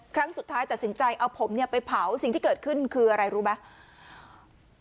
ครั้งสุดท้ายตัดสินใจเอาผมเนี่ยไปเผาสิ่งที่เกิดขึ้นคืออะไรรู้ไหม